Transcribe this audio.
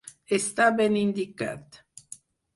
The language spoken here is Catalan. Està ben indicat.